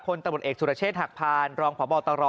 ตำรวจเอกสุรเชษฐหักพานรองพบตร